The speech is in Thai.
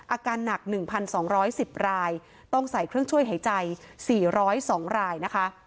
อาการหนัก๑๒๑๐รายต้องใส่เครื่องช่วยหายใจ๔๐๒รายนะคะ